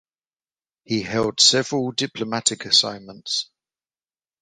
He held several diplomatic assignments.